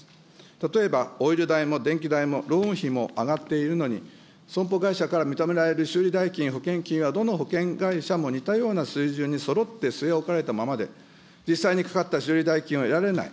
例えば、オイル代も電気代も労務費も上がっているのに、損保会社から認められる修理代金、保険金はどの保険会社も似たような水準にそろって据え置かれたままで、実際にかかった修理代金を得られない。